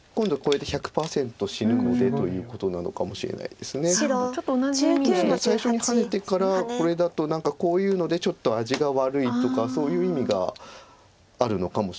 ですので最初にハネてからこれだと何かこういうのでちょっと味が悪いとかそういう意味があるのかもしれないです。